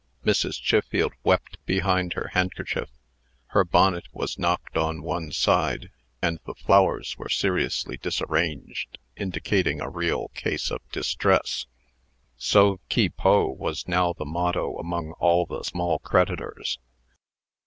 Mrs. Chiffield wept behind her handkerchief. Her bonnet was knocked on one side, and the flowers were seriously disarranged, indicating a real case of distress. Sauve qui peut was now the motto among all the small creditors.